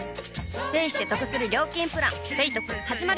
ペイしてトクする料金プラン「ペイトク」始まる！